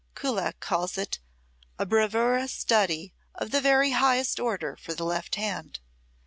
Kullak calls it a "bravura study of the very highest order for the left hand.